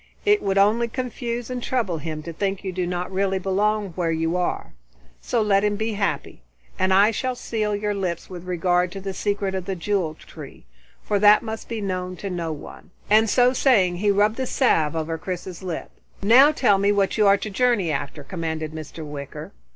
It would only confuse and trouble him to think you do not really belong where you are. So let him be happy. And I shall seal your lips with regard to the secret of the Jewel Tree, for that must be known to no one," and so saying he rubbed a salve over Chris's lips. "Now tell me what you are to journey after," commanded Mr. Wicker.